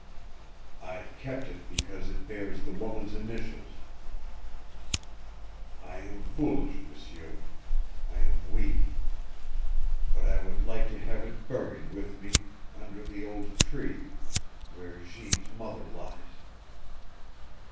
I kept it because it bears the woman's initials. I am foolish, M'sieur. I am weak. But I would like to have it buried with me under the old tree where Jeanne's mother lies.